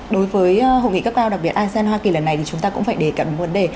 đối với hội nghị cấp cao đặc biệt asean hoa kỳ lần này thì chúng ta cũng phải đề cập một vấn đề